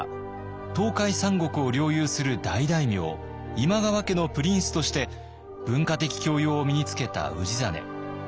東海三国を領有する大大名今川家のプリンスとして文化的教養を身につけた氏真。